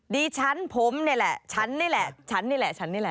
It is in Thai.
ดิฉันผมนี่แหละฉันนี่แหละฉันนี่แหละฉันนี่แหละ